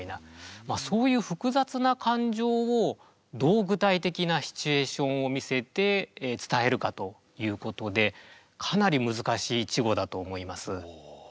そういう複雑な感情をどう具体的なシチュエーションを見せて伝えるかということでかなり難しい稚語だと思います。